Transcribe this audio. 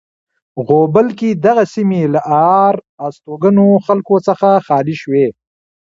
غوبل کې دغه سیمې له آر استوګنو خلکو څخه خالی شوې.